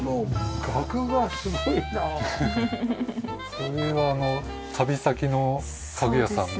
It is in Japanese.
それは旅先の家具屋さんで。